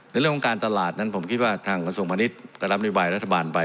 ในเรื่องของการตลาดนั้นผมคิดว่าทางคุณสุมณิชย์กรรมนิบายรัฐบาลไป